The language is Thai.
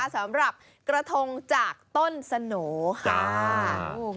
สำหรับกระทงจากต้นสโหน่ค่ะ